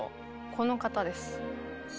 この方です。